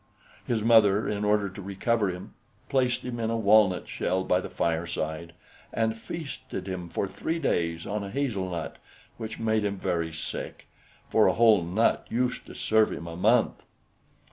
His mother, in order to recover him, placed him in a walnut shell by the fireside, and feasted him for three days on a hazel nut, which made him very sick; for a whole nut used to serve him a month.